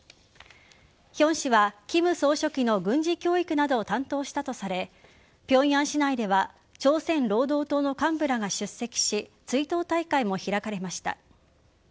ヒョン氏は金総書記の軍事教育などを担当したとされ平壌市内では朝鮮労働党の幹部らが出席し追悼大会も開かれました。